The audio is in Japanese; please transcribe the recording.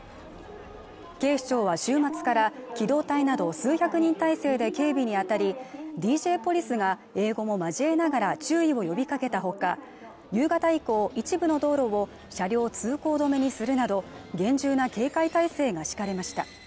警視庁は週末から機動隊など数百人態勢で警備にあたりＤＪポリスが英語も交えながら注意を呼びかけたほか夕方以降一部の道路を車両通行止めにするなど厳重な警戒態勢が敷かれました